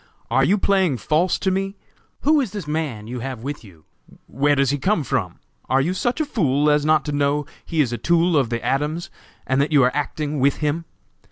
Are you playing false to me? Who is this man you have with you? where does he come from? Are you such a fool as not to know he is a tool of the Adams, and that you are acting with him?